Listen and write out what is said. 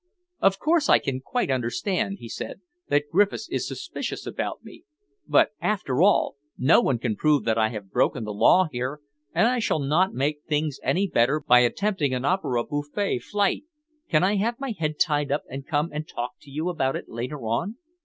"Of course, I can quite understand," he said, "that Griffiths is suspicious about me, but, after all, no one can prove that I have broken the law here, and I shall not make things any better by attempting an opera bouffe flight. Can I have my head tied up and come and talk to you about it later on?"